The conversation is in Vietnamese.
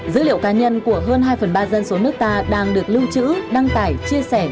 dữ liệu cá nhân của hơn hai phần ba dân số nước ta đang được lưu trữ đăng tải chia sẻ